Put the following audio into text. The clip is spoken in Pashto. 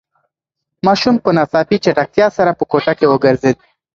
ماشوم په ناڅاپي چټکتیا سره په کوټه کې وگرځېد.